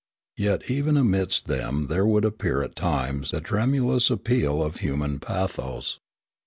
Yet even amidst them there would appear at times the tremulous appeal of human pathos.